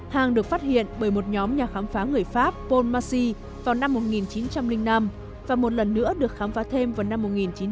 hang được phát hiện bởi một nhóm nhà khám phá người pháp paul marcy vào năm một nghìn chín trăm linh năm và một lần nữa được khám phá thêm vào năm một nghìn chín trăm chín mươi năm